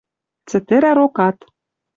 Цӹтӹрӓ рокат